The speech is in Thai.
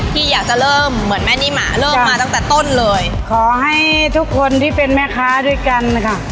ที่อยากจะเริ่มเหมือนแม่นิ่มอ่ะเริ่มมาตั้งแต่ต้นเลยขอให้ทุกคนที่เป็นแม่ค้าด้วยกันค่ะ